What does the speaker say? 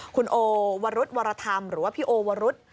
คุณโอวรุธวรธรรมหรือว่าพี่โอวรุษ